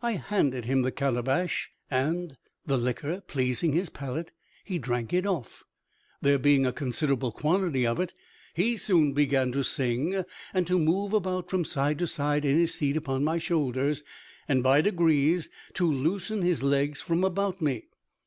I handed him the calabash, and the liquor pleasing his palate, he drank it off. There being a considerable quantity of it, he soon began to sing, and to move about from side to side in his seat upon my shoulders, and by degrees to loosen his legs from about me.